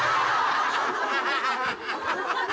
ハハハハハ！